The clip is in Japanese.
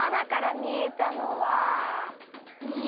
みえたのは？